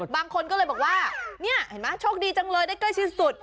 บางคนก็เลยบอกว่านี่เห็นไหมโชคดีจังเลยได้ใกล้ชิดสุด